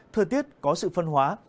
thời tiết có sự phân hóa